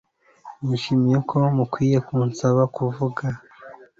Nishimiye ko mukwiye kunsaba kuvuga